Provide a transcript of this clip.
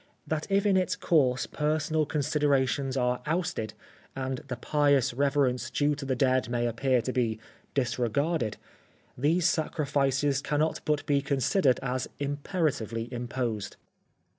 — that if in its course personal considerations are ousted, and the pious reverence due to the dead may appear to be disregarded, these sacrifices cannot but be considered as imperatively imposed.